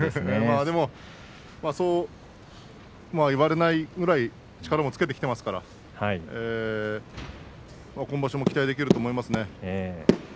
でもそう言われないぐらい力もつけてきていますから今場所も期待できると思いますね。